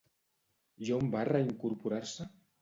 I on va reincorporar-se?